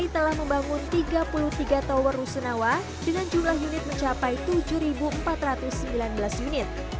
telah membangun tiga puluh tiga tower rusunawa dengan jumlah unit mencapai tujuh empat ratus sembilan belas unit